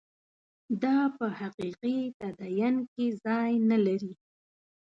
دا په حقیقي تدین کې ځای نه لري.